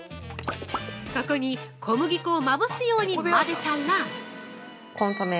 ◆ここに小麦粉をまぶすように混ぜたら◆コンソメ。